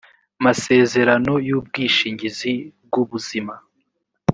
masezerano y ubwishingizi bw ubuzima